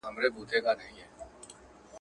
هرات بې زعفرانو نه دی.